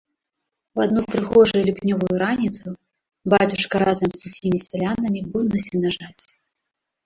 У адну прыгожую ліпнёвую раніцу бацюшка разам з усімі сялянамі быў на сенажаці.